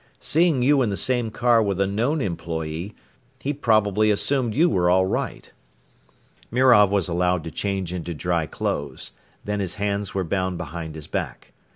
Seeing you in the same car with a known employee, he probably assumed you were all right." Mirov was allowed to change into dry clothes, then his hands were bound behind his back.